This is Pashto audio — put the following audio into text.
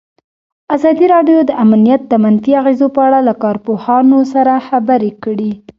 ازادي راډیو د امنیت د منفي اغېزو په اړه له کارپوهانو سره خبرې کړي.